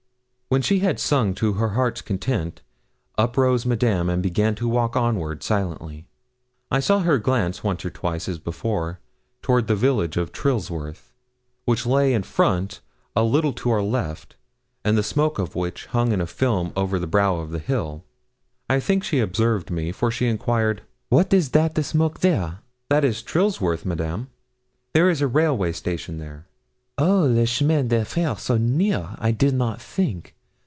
When she had sung to her heart's content, up rose Madame, and began to walk onward silently. I saw her glance once or twice, as before, toward the village of Trillsworth, which lay in front, a little to our left, and the smoke of which hung in a film over the brow of the hill. I think she observed me, for she enquired 'Wat is that a smoke there?' 'That is Trillsworth, Madame; there is a railway station there.' 'Oh, le chemin de fer, so near! I did not think.